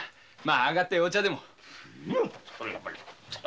上がってお茶でも。